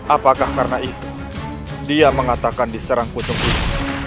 apakah karena itu dia mengatakan diserang kunjung hitam